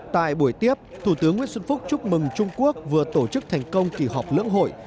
tại buổi tiếp thủ tướng nguyễn xuân phúc chúc mừng trung quốc vừa tổ chức thành công kỳ họp lưỡng hội